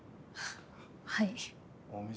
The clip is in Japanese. はい。